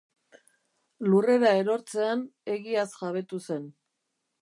Lurrera erortzean egiaz jabetu zen.